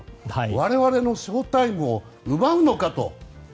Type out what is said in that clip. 我々のショウタイムを奪うのかと。